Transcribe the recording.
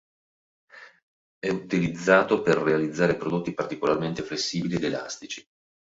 È utilizzato per realizzare prodotti particolarmente flessibili ed elastici.